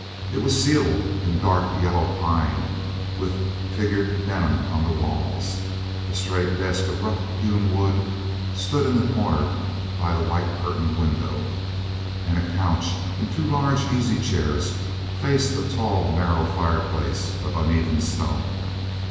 It was ceiled in dark yellow pine, with figured denim on the walls. A straight desk of rough hewn wood stood in the corner by the white curtained window, and a couch and two large easy chairs faced a tall narrow fireplace of uneven stone.